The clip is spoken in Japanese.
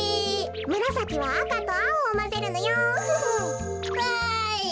むらさきはあかとあおをまぜるのよ。わい！